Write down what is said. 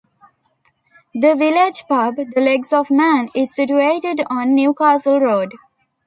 The village pub, the Legs of Man, is situated on the Newcastle Road.